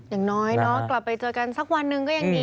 อย่างน้อยเนาะกลับไปเจอกันสักวันหนึ่งก็ยังดี